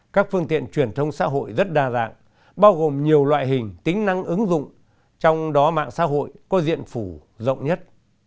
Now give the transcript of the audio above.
các phương tiện truyền thông xã hội rất đa dạng bao gồm nhiều loại hình tính năng ứng dụng trong đó mạng xã hội có diện phủ rộng nhất